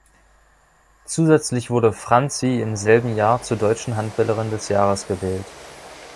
Zusätzlich wurde „Franzi“ im selben Jahr zur deutschen Handballerin des Jahres gewählt.